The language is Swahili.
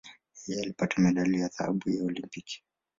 Yeye alipata medali ya dhahabu ya Olimpiki.